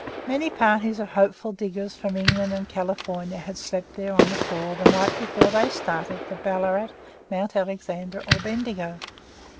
Many parties of hopeful diggers from England and California had slept there on the floor the night before they started for Ballarat, Mount Alexander, or Bendigo.